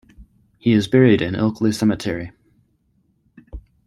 He is buried in Ilkley Cemetery.